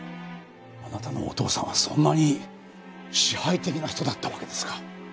あなたのお父さんはそんなに支配的な人だったわけですか？